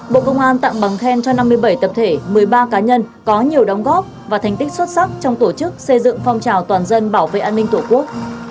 bộ công an tặng bằng khen cho năm mươi bảy tập thể một mươi ba cá nhân có nhiều đóng góp và thành tích xuất sắc trong tổ chức xây dựng phong trào toàn dân bảo vệ an ninh tổ quốc